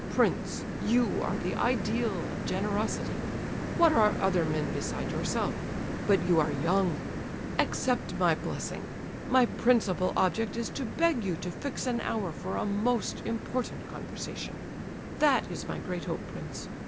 Prince, you are the ideal of generosity; what are other men beside yourself? But you are young—accept my blessing! My principal object is to beg you to fix an hour for a most important conversation—that is my great hope, prince.